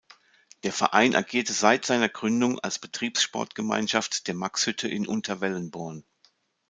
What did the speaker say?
Der Verein agierte seit seiner Gründung als Betriebssportgemeinschaft der Maxhütte in Unterwellenborn.